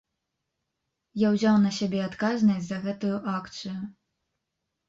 Я ўзяў на сябе адказнасць за гэтую акцыю.